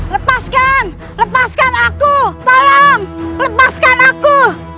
lepaskan lepaskan aku tolong lepaskan aku